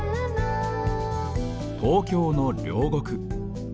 東京の両国。